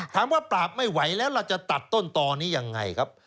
ถามว่าปราบไม่ไหวแล้วเราจะตัดต้นตอนนี้ยังไงครับ